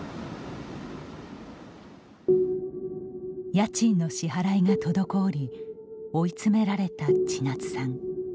家賃の支払いが滞り追い詰められた千夏さん。